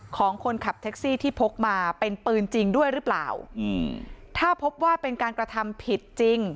ของคนขับแท็กซี่ที่พกมาเป็นปืนจริงด้วยหรือเปล่าอืมถ้าพบว่าเป็นการกระทำผิดจริง